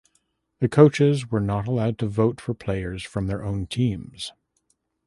The coaches were not allowed to vote for players from their own teams.